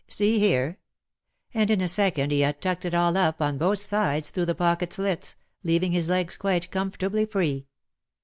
See here," and in a second he had tucked it all up on both sides through the pocket slits, leaving his legs quite comfortably free.